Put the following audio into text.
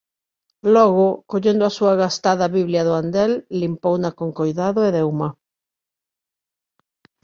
Logo, collendo a súa gastada Biblia do andel, limpouna con coidado e deuma.